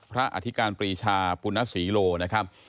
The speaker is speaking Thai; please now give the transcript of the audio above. อธิการปรีชาปุณศรีโลนะครับ